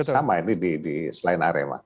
sama ini selain arema